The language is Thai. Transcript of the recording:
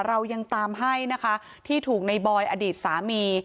เรายังตามให้นะคะที่ถูกในบอยอดีตสามี